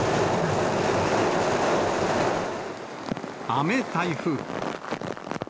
雨台風。